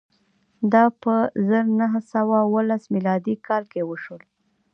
دا په زر نه سوه اوولس میلادي کال کې وشول.